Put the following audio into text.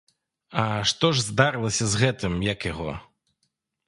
А што ж здарылася з гэтым, як яго?